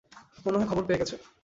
মনে হয়, খবর পেয়ে গেছে।